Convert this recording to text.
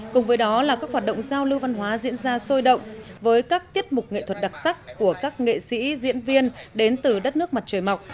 cùng với đó là các hoạt động giao lưu văn hóa diễn ra sôi động với các tiết mục nghệ thuật đặc sắc của các nghệ sĩ diễn viên đến từ đất nước mặt trời mọc